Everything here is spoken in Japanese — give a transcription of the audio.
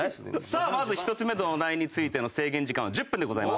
さあまず１つ目のお題についての制限時間は１０分でございます。